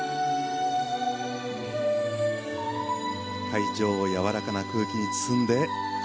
会場をやわらかな空気に包んで。